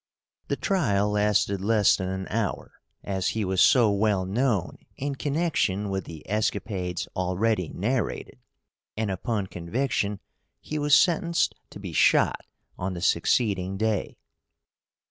The trial lasted less than an hour, as he was so well known in connection with the escapades already narrated, and upon conviction he was sentenced to be shot on the succeeding day.